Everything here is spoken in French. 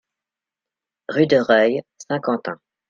Rue de Reuil, Saint-Quentin